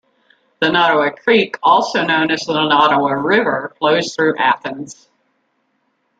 The Nottawa Creek, also known as the Nottawa River, flows through Athens.